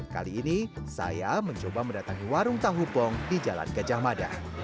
kali ini saya mencoba mendatangi warung tahu pong di jalan gajah mada